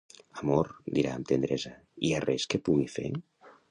"Amor", dirà amb tendresa, "hi ha res que pugui fer?"